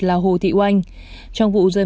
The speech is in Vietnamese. là hồ thị oanh trong vụ rơi